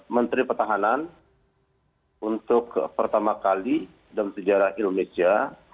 menteri pertahanan untuk pertama kali dalam sejarah indonesia